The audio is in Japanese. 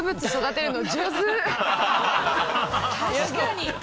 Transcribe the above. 確かに！